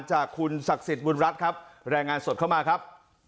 จากคุณศักดิ์สิทธิ์บุญรัฐครับรายงานสดเข้ามาครับ